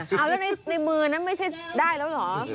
เอาแล้วในมือนั้นไม่ใช่ได้แล้วเหรอ